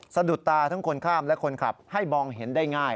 สะดุดตาทั้งคนข้ามและคนขับให้มองเห็นได้ง่าย